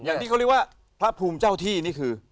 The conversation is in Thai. อย่างที่เขาเรียกว่าพระภูมิเจ้าที่นี่คือ